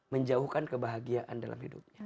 menjauhkan kebahagiaan dalam hidupnya